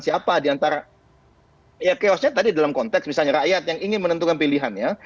siapa diantara ya chaosnya tadi dalam konteks misalnya rakyat yang ingin menentukan pilihannya